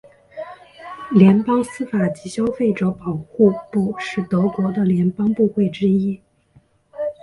联邦司法及消费者保护部是德国的联邦部会之一。